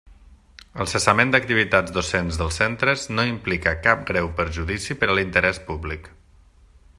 El cessament d'activitats docents dels centres no implica cap greu perjudici per a l'interès públic.